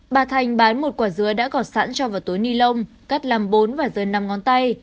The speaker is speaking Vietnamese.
bà thành bán một quả dứa đã gọt sẵn cho vào túi ni lông cắt làm bốn và dưới năm ngón tay